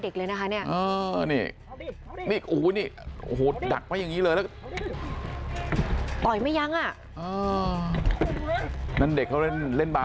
เกิดขึ้นพร้อมไหม